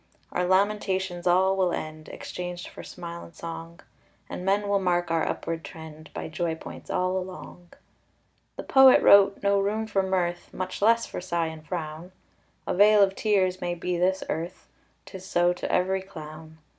Our lamentations all will end, Exchanged for smile and song, And men will mark our upward trend By joy points all along. The poet wrote, "no room for mirth;" Much less for sigh and frown. "A vale of tears" may be this earth 'Tis so to every clown.